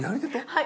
はい。